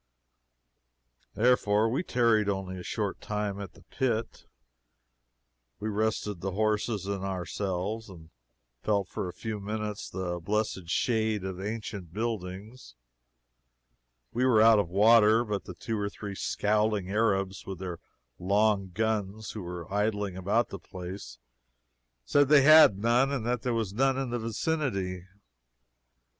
Therefore we tarried only a short time at the pit. We rested the horses and ourselves, and felt for a few minutes the blessed shade of the ancient buildings. We were out of water, but the two or three scowling Arabs, with their long guns, who were idling about the place, said they had none and that there was none in the vicinity.